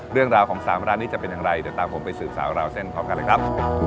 เรื่องราวของ๓ร้านนี้จะเป็นอย่างไรเดี๋ยวตามผมไปสืบสาวราวเส้นพร้อมกันเลยครับ